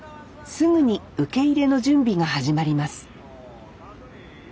すぐに受け入れの準備が始まります